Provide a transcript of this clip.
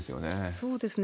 そうですね。